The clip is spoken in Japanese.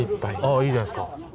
あいいじゃないですか。